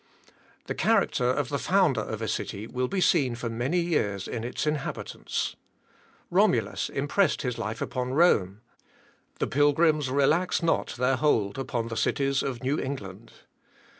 The character of the founder of a city will be seen for many years in its inhabitants. Romulus impressed his life upon Rome. The Pilgrims relax not their hold upon the cities of New England.